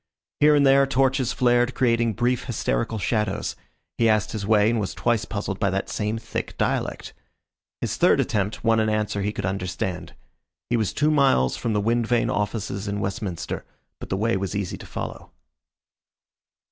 Here and there torches flared creating brief hysterical shadows. He asked his way and was twice puzzled by that same thick dialect. His third attempt won an answer he could understand. He was two miles from the wind vane offices in Westminster, but the way was easy to follow.